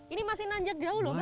ini masih nanjak jauh lho mbak